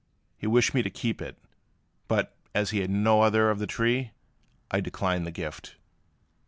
He wished me to keep it; but, as he had no other of the tree, I declined the gift.